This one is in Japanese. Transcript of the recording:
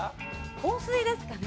香水ですかね。